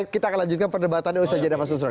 kita akan lanjutkan perdebatannya usia jadwal